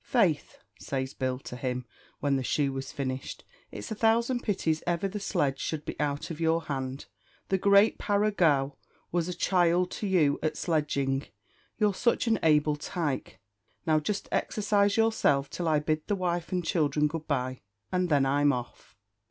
"Faith," says Bill to him, when the shoe was finished, "it's a thousand pities ever the sledge should be out of your hand; the great Parra Gow was a child to you at sledging, you're such an able tyke. Now just exercise yourself till I bid the wife and childhre good bye, and then I'm off."